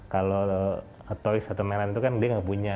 kalau toys atau mainan itu kan dia tidak punya